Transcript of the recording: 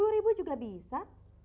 sepuluh ribu juga bisa